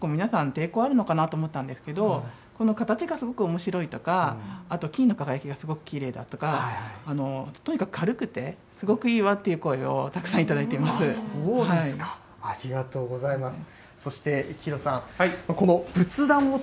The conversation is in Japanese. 私は結構、皆さん、抵抗あるのかなと思ったんですけど、この形がすごくおもしろいとか、あと金の輝きがすごくきれいだとか、とにかく軽くてすごくいいわという声をたくさん頂いています。